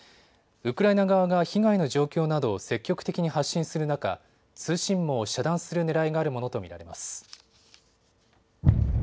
ウクライナ側が被害の状況などを積極的に発信する中、通信網を遮断するねらいがあるものと見られます。